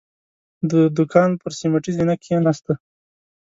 د دوکان پر سيميټي زينه کېناسته.